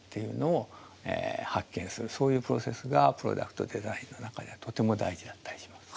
そういうプロセスがプロダクトデザインの中ではとても大事だったりします。